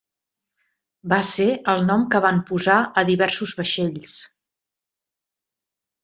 Va ser el nom que van posar a diversos vaixells.